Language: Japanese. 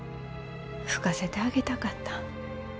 吹かせてあげたかった。